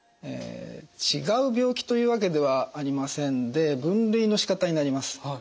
違う病気というわけではありませんで分類のしかたになります。